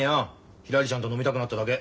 ひらりちゃんと飲みたくなっただけ。